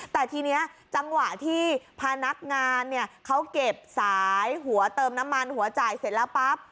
แต่ทีนี้จังหวะที่พนักงานเนี่ยเขาเก็บสายหัวเติมน้ำมันหัวจ่ายเสร็จแล้วปั๊บ